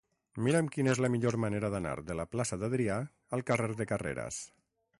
Mira'm quina és la millor manera d'anar de la plaça d'Adrià al carrer de Carreras.